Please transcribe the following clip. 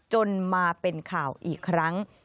จนมาเป็นข่าวอีกครั้ง